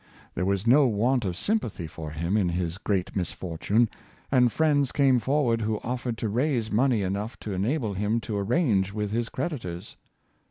There was no want of sympathy for him in his great misfortune, and friends came forward who offered to raise money enough to enable him to arrange with his creditors.